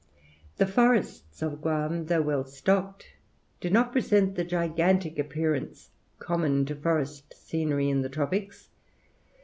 The forests of Guam, though well stocked, did not present the gigantic appearance common to forest scenery in the tropics.